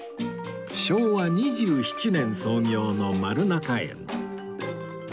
昭和２７年創業の丸中園